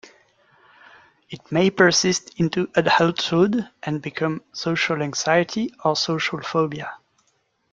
It may persist into adulthood and become social anxiety or social phobia.